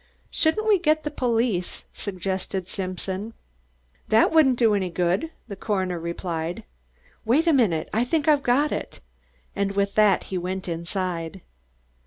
"Shouldn't we get the police?" suggested Simpson. "That wouldn't do any good," the coroner replied. "Wait a minute! I think I've got it." And with that he went inside.